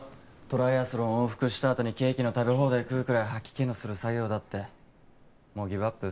トライアスロン往復したあとにケーキの食べ放題食うくらい吐き気のする作業だってもうギブアップ？